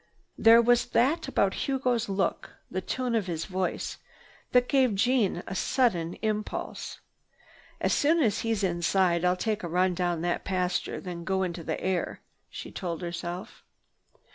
There was that about Hugo's look, the tone of his voice that gave Jeanne a sudden impulse. "As soon as he's inside I'll take a run down that pasture, then go into the air," she told herself.